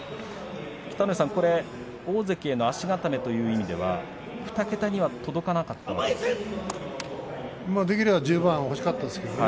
北の富士さん、これは大関への足固めという意味では２桁には届かなかったわけですけれど。